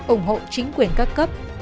ủng hộ chính quyền các cấp